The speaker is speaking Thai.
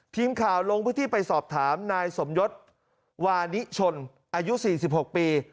ทีมข่าวลงพื้นที่ไปสอบถามนายสมยศวานิชนอายุ๔๖ปี